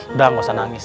udah gausah nangis